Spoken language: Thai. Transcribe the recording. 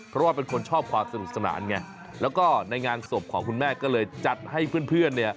เพราะว่าเป็นคนชอบความสนุกสนานไงแล้วก็ในงานศพของคุณแม่ก็เลยจัดให้เพื่อนเนี่ย